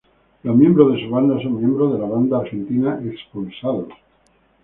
Los miembros de su banda son miembros de la banda argentina Expulsados.